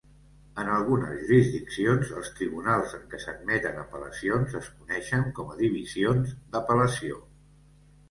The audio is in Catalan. En algunes jurisdiccions, els tribunals en què s'admeten apel·lacions es coneixen com a divisions d'apel·lació.